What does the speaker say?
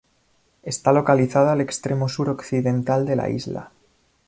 Está localizada al extremo sur occidental de la isla.